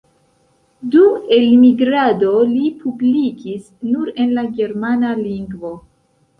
Dum elmigrado li publikis nur en la germana lingvo.